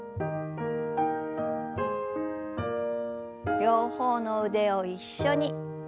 両方の腕を一緒に。